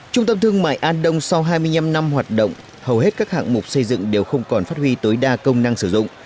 trung tâm thương mại an đông sau hai mươi năm năm hoạt động hầu hết các hạng mục xây dựng đều không còn phát huy tối đa công năng sử dụng